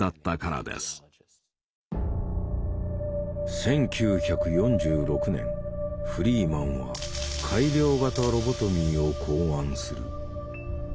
１９４６年フリーマンは改良型ロボトミーを考案する。